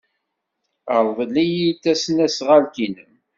Rḍel-iyi-d tasnasɣalt-nnem.